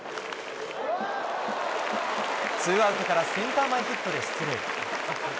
ツーアウトからセンター前ヒットで出塁。